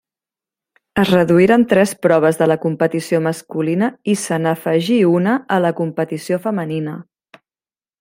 Es reduïren tres proves de la competició masculina i s'afegí una a la competició femenina.